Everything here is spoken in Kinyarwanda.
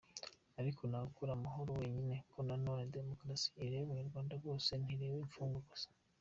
Ariko ntawe ukora amahoro wenyine na none demokarasi ireba abanyarwanda bose ntireba imfungwa gusa.